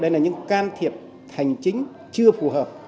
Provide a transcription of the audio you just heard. đây là những can thiệp hành chính chưa phù hợp